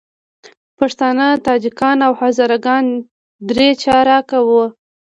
پښتانه، تاجکان او هزاره ګان درې چارکه وو.